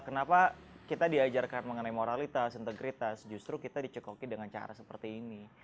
kenapa kita diajarkan mengenai moralitas integritas justru kita dicekoki dengan cara seperti ini